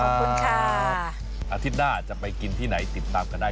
อาทิตย์หน้าจะไปกินที่ไหนติดตามกันได้